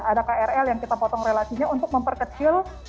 ada krl yang kita potong relasinya untuk memperkecil